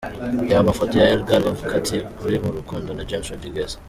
Reba amafoto ya Helga Lovekaty uri mu rukundo na James Rodriguez:.